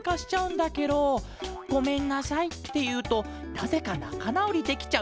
「ごめんなさい」っていうとなぜかなかなおりできちゃう。